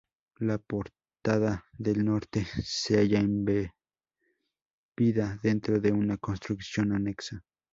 La portada del norte se halla embebida dentro de una construcción anexa.